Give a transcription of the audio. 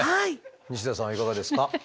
西田さんはいかがですか？